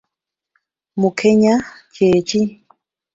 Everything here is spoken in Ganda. Mukenya kye ki?